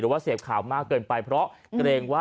ว่าเสพข่าวมากเกินไปเพราะเกรงว่า